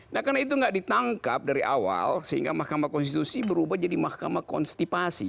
nah karena itu nggak ditangkap dari awal sehingga mahkamah konstitusi berubah jadi mahkamah konstipasi